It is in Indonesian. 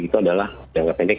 itu adalah jangka pendek